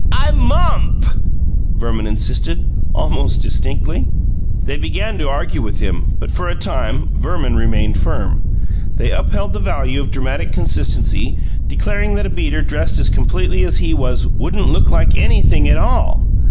"I momp!" Verman insisted, almost distinctly. They began to argue with him; but, for a time, Verman remained firm. They upheld the value of dramatic consistency, declaring that a beater dressed as completely as he was "wouldn't look like anything at all".